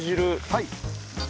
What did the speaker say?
はい。